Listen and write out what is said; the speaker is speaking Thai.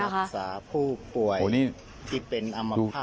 พ่อปู่ฤาษีเทพนรสิงค่ะมีเฮ็ดโฟนเหมือนเฮ็ดโฟน